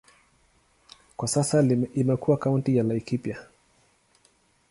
Kwa sasa imekuwa kaunti ya Laikipia.